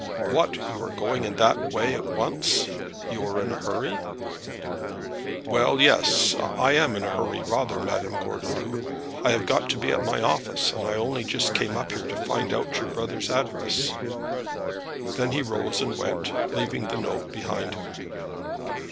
"What, you are going in that way at once? You are in a hurry?" "Well, yes; I am in a hurry, rather, Madame Gordeloup. I have got to be at my office, and I only just came up here to find out your brother's address." Then he rose and went, leaving the note behind him.